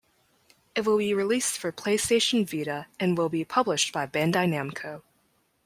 It will be released for PlayStation Vita and will be published by Bandai Namco.